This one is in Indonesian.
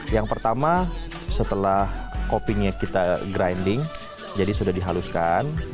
yang pertama setelah kopinya kita grinding jadi sudah dihaluskan